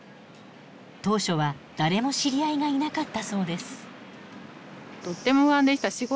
当初は誰も知り合いがいなかったそうです。